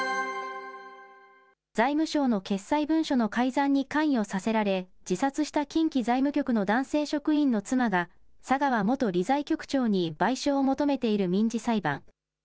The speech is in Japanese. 財務省の決裁文書の改ざんに関与させられ、自殺した近畿財務局の男性職員の妻が、佐川元理財局長に賠償を求めている民事裁判。